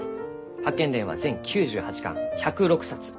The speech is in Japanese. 「八犬伝」は全９８巻１０６冊。